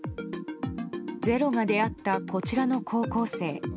「ｚｅｒｏ」が出会ったこちらの高校生。